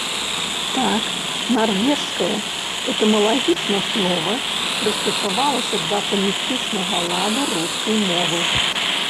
Так, нарвежскае этымалагічна слова прыстасавалася да фанетычнага ладу рускай мовы.